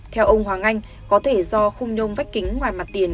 theo ông hoàng anh có thể do khung nhôm vách kính ngoài mặt tiền